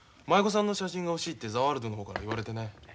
舞妓さんの写真が欲しいって「ザ・ワールド」の方から言われてね。